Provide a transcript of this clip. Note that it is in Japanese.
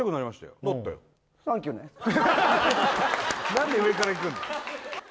何で上からいくんだ